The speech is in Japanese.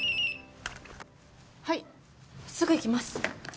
はいすぐ行きます。